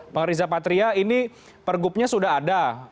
bang riza patria ini pergubnya sudah ada